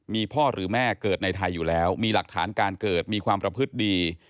มีพ่อหรือแม่เกิดในไทยอยู่แล้วมีหลักฐานการเกิดมีความประพฤติดี